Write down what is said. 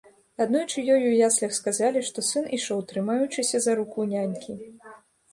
Аднойчы ёй у яслях сказалі, што сын ішоў, трымаючыся за руку нянькі.